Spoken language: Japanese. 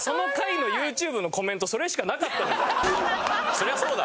そりゃそうだ。